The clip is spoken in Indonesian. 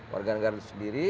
warganegara itu sendiri